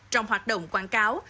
trong hoạt động quảng cáo